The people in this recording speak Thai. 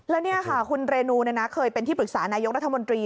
แล้วนี่ค่ะคุณเรนูเคยเป็นที่ปรึกษานายกรัฐมนตรี